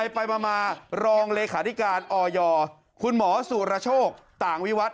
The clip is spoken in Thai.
ไปมารองเลขาธิการออยคุณหมอสุรโชคต่างวิวัตร